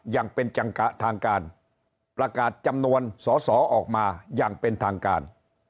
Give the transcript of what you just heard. อย่างเป็นจังทางการประกาศจำนวนสอสอออกมาอย่างเป็นทางการ